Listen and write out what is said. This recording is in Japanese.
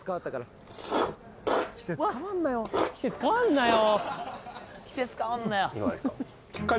季節変わんなよ